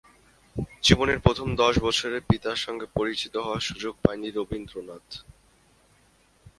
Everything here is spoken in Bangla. জীবনের প্রথম দশ বছরে পিতার সঙ্গে পরিচিত হওয়ার সুযোগ পাননি রবীন্দ্রনাথ।